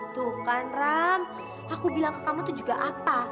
tuh kan ram aku bilang ke kamu tuh juga apa